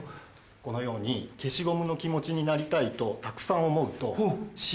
このように消しゴムの気持ちになりたいとたくさん思うと。